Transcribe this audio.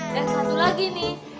dan satu lagi nih